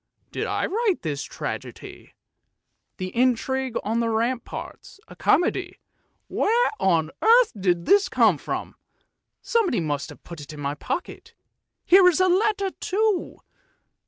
Did I write this tragedy? ' The Intrigue on the Ramparts,' a comedy — where on earth did this come from, someone must have put it into my pocket ; here is a letter too!